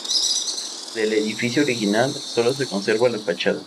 Del edificio original sólo se conserva la fachada.